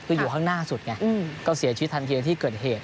คืออยู่ข้างหน้าสุดไงก็เสียชีวิตทันทีในที่เกิดเหตุ